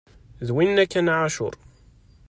D winna kan a ɛacur!